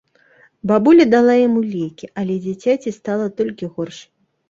Бабуля дала яму лекі, але дзіцяці стала толькі горш.